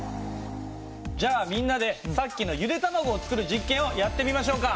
じゃあみんなでさっきのゆで卵を作る実験をやってみましょうか。